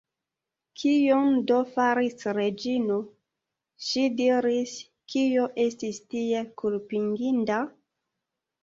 Kion do faris Reĝino, ŝi diris, kio estis tiel kulpiginda?